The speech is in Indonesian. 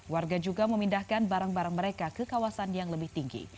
warga juga memindahkan barang barang mereka ke kawasan yang lebih tinggi